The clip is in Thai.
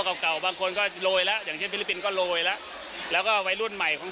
เก่าเก่าบางคนก็โรยแล้วอย่างเช่นฟิลิปปินส์ก็โรยแล้วแล้วก็วัยรุ่นใหม่ของ